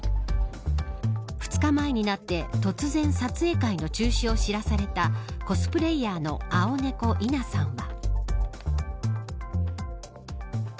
２日前になって突然、撮影会の中止を知らされたコスプレイヤーの蒼猫いなさんは。